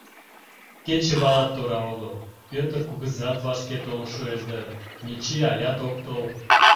Кечывалат тора огыл, Пӧтыр кугызат вашке толын шуэш дыр, Мичий алят ок тол...